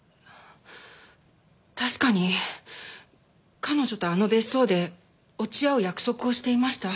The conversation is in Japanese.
確かに彼女とあの別荘で落ち合う約束をしていました。